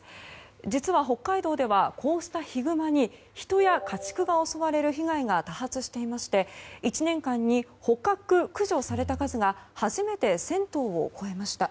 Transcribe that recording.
実は北海道ではこうしたヒグマに人や家畜が襲われる被害が多発していまして１年間に捕獲・駆除された数が初めて１０００頭を超えました。